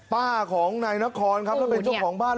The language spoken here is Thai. ป้าของนายนครครับแล้วเป็นเจ้าของบ้าน